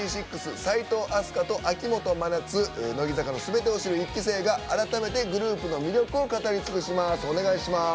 齋藤飛鳥と秋元真夏乃木坂のすべてを知るグループの１期生が改めてグループの魅力を語り尽くします。